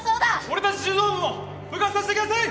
俺たち柔道部も部活させてください！